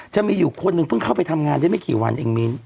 จะมีอยู่คนหนึ่งเพิ่งเข้าไปทำงานได้ไม่กี่วันเองมิ้น